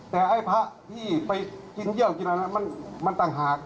แต่ไอ้พระที่ไปกินเยี่ยวกินอะไรนั้นมันต่างหาก